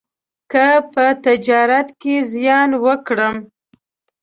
که په تجارت کې زیان وکړم،